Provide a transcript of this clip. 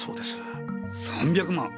３００万！